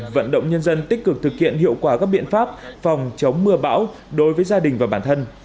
vận động nhân dân tích cực thực hiện hiệu quả các biện pháp phòng chống mưa bão đối với gia đình và bản thân